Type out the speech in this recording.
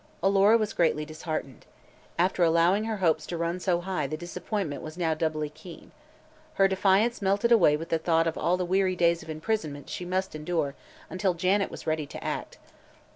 Alora was greatly disheartened. After allowing her hopes to run so high the disappointment was now doubly keen. Her defiance melted away with the thought of all the weary days of imprisonment she must endure until Janet was ready to act.